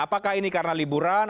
apakah ini karena liburan